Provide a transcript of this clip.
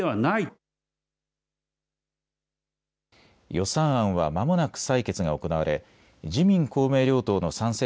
予算案はまもなく採決が行われ自民公明両党の賛成